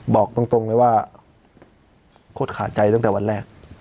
บอกตรงเลยว่าโคตรขาดใจตั้งแต่วันแรก